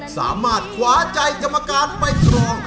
สามารถขวาใจกรรมการไปครอง